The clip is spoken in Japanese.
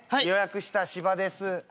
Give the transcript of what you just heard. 予約した芝です。